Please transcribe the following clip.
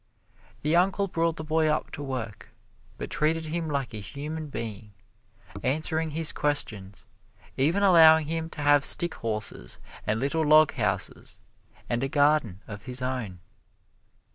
The uncle brought the boy up to work, but treated him like a human being, answering his questions, even allowing him to have stick horses and little log houses and a garden of his own.